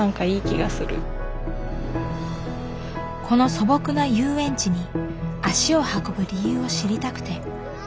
この素朴な遊園地に足を運ぶ理由を知りたくて。